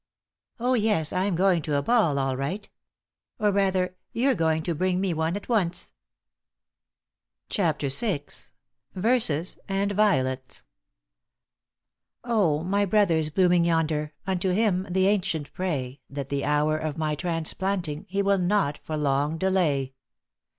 Oh, yes, I'm going to a ball, all right. Or, rather, you're going to bring me one at once." *CHAPTER VI.* *VERSES AND VIOLETS.* Oh, my brothers blooming yonder, unto Him the ancient pray That the hour of my transplanting He will not for long delay.